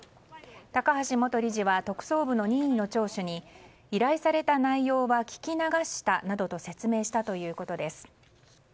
高橋元理事は特捜部の任意の聴取に依頼された内容は聞き流したなどと説明したということです。